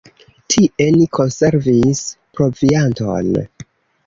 Tie ni konservis provianton.